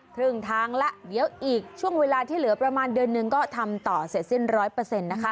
ครึ่งทางแล้วเดี๋ยวอีกช่วงเวลาที่เหลือประมาณเดือนหนึ่งก็ทำต่อเสร็จสิ้นร้อยเปอร์เซ็นต์นะคะ